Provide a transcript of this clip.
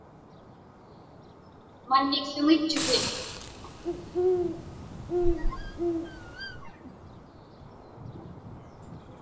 Manniksuŋitchutin.